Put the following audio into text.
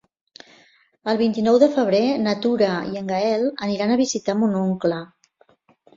El vint-i-nou de febrer na Tura i en Gaël aniran a visitar mon oncle.